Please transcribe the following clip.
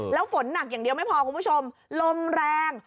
แล้วฝนหนักอย่างเดียวไม่พอคุณผู้ชมลมแรง